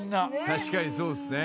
確かにそうっす。